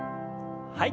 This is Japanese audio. はい。